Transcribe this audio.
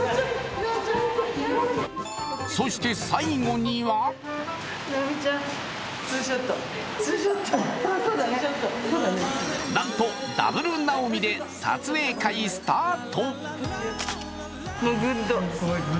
そして、最後にはなんと、ダブルなおみで撮影会スタート。